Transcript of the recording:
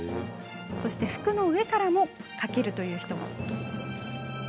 服の上からかけるという人も。